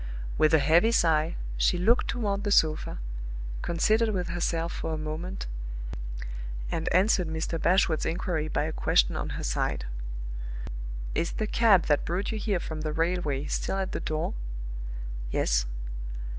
With a heavy sigh she looked toward the sofa, considered with herself for a moment, and answered Mr. Bashwood's inquiry by a question on her side. "Is the cab that brought you here from the railway still at the door?" "Yes."